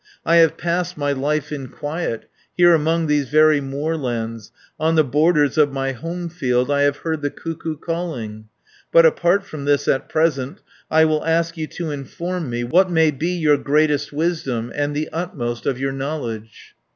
I have passed my life in quiet, Here among these very moorlands, 140 On the borders of my home field I have heard the cuckoo calling. But apart from this at present, I will ask you to inform me What may be your greatest wisdom; And the utmost of your knowledge?"